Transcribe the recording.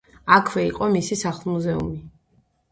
აქვე იყო მისი სახლ-მუზეუმი.